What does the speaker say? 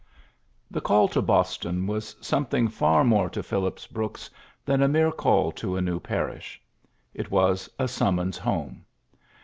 The call to Boston was something far more to Phillips Brooks than a mere call to a new parish. It was a summons home.